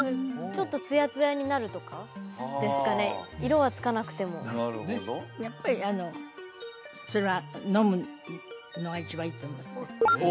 ちょっとツヤツヤになるとかですかね色はつかなくてもなるほどやっぱりそれは飲むのが一番いいと思いますね